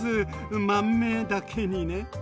まんめだけにね。